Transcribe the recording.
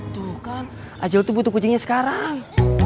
tuh kan ajal tuh butuh kucingnya sekarang